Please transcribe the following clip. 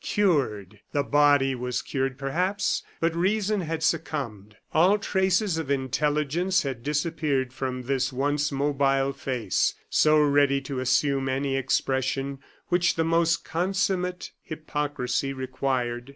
Cured! The body was cured, perhaps, but reason had succumbed. All traces of intelligence had disappeared from this once mobile face, so ready to assume any expression which the most consummate hypocrisy required.